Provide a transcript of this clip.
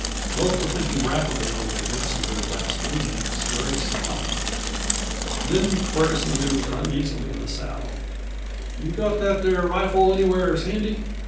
Both were thinking rapidly over the events of their last meeting at this very spot. Then Ferguson moved uneasily in the saddle. "You got that there rifle anywheres handy?"